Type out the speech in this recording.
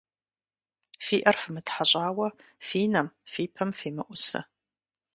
Фи Ӏэр фымытхьэщӀауэ фи нэм, фи пэм фемыӀусэ.